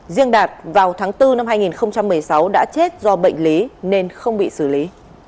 riêng đạt vào tháng bốn năm hai nghìn một mươi sáu đã chết do bệnh lý nên không bị xử lý